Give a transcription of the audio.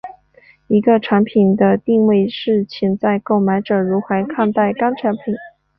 一个产品的定位是潜在购买者如何看待该产品。